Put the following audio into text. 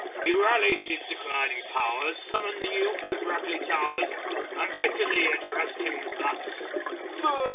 He rallied his declining powers, Summoned the youth to Brackley Towers, And bitterly addressed him thus "Sir!